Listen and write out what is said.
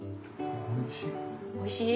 おいしい。